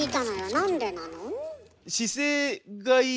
なんでなの？